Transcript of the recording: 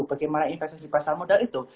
bagaimana investasi pasar modal itu